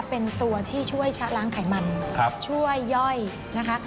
เป็นตัวที่ช่วยชะล้างไขมันช่วยย่อยนะคะ